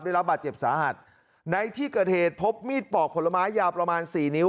ได้รับบาดเจ็บสาหัสในที่เกิดเหตุพบมีดปอกผลไม้ยาวประมาณสี่นิ้ว